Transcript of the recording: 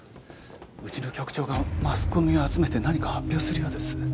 うちの局長がマスコミを集めて何か発表するようです。